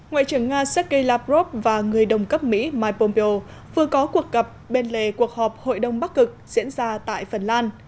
ngoại trưởng nga sergei lavrov và người đồng cấp mỹ mike pompeo vừa có cuộc gặp bên lề cuộc họp hội đồng bắc cực diễn ra tại phần lan